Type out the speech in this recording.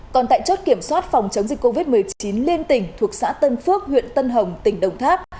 còn tại chốt kiểm soát phòng chống dịch covid một mươi chín liên tỉnh thuộc xã tân phước huyện tân hồng tỉnh đồng tháp